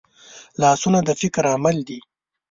لاسونه د فکر عمل دي